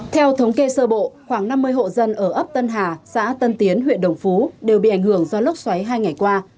theo thống kê sơ bộ khoảng năm mươi hộ dân ở ấp tân hà xã tân tiến huyện đồng phú đều bị ảnh hưởng do lốc xoáy hai ngày qua